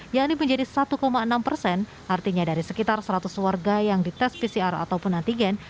yang ini menjadi satu enam persen artinya dari sekitar seratus warga yang dites pcr atau penantigen